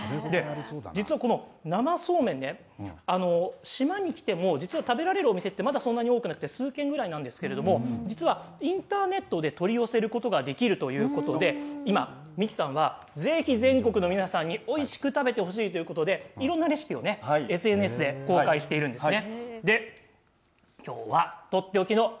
実は、この生そうめん島に来ても、実は食べられるお店ってまだそんなに多くなくてまだ数軒なんですけど実はインターネットで取り寄せることができるということで今、三木さんはぜひぜひ全国の皆さんにおいしく食べてほしいということでいろんなレシピをＳＮＳで公開しているんですね。